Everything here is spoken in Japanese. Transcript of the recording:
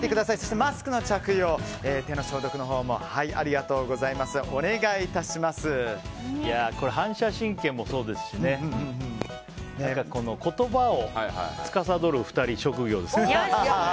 マスクの着用反射神経もそうですし言葉をつかさどる２人職業ですから。